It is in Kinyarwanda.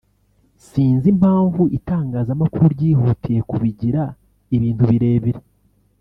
sinzi impamvu itangazamakuru ryihutiye kubigira ibintu birebire